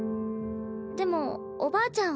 でもおばあちゃん